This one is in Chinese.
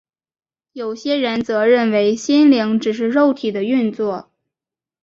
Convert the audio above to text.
有些人则认为心灵只是肉体的运作。